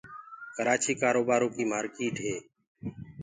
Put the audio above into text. ڪرآچيٚ ڪآروبآرو ڪيٚ مآرڪيٚٽ هي